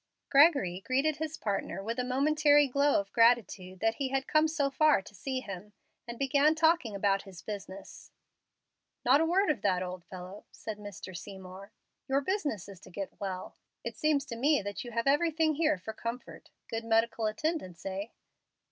Gregory greeted his partner with a momentary glow of gratitude that he had come so far to see him, and began talking about his business. "Not a word of that, old fellow," said Mr. Seymour. "Your business is to get well. It seems to me that you have everything here for comfort good medical attendance, eh?"